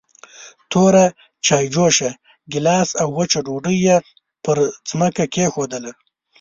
توره چايجوشه، ګيلاس او وچه ډوډۍ يې پر ځمکه کېښودل.